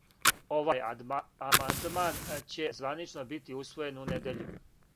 Овај амандман ће званично бити усвојен у недељу.